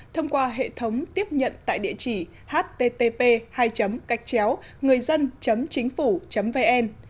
thông qua hệ thống tiếp nhận tại địa chỉ http ngườidân chínhphủ vn